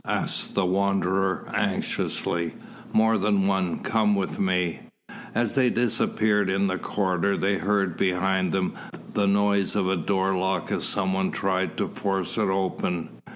asked the Wanderer anxiously. "More than one. Come with me." As they disappeared in the corridor, they heard behind them the noise of the door lock as some one tried to force it open.